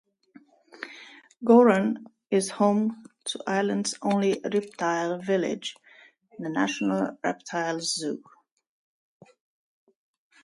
Gowran is home to Ireland's only reptile village, The National Reptile Zoo.